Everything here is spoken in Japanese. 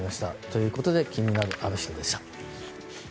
ということで気になるアノ人でした。